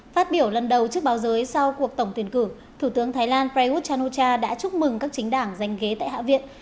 phát biểu lần đầu trước báo giới sau cuộc tổng tuyển cử thủ tướng thái lan prayuth chan o cha đã chúc mừng các chính đảng giành ghế tại hạ viện